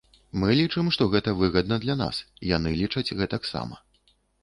Мы лічым, што гэта выгадна для нас, яны лічаць гэтаксама.